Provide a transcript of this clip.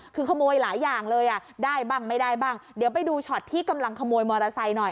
คือขโมยหลายอย่างเลยอ่ะได้บ้างไม่ได้บ้างเดี๋ยวไปดูช็อตที่กำลังขโมยมอเตอร์ไซค์หน่อย